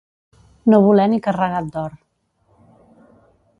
No voler ni carregat d'or.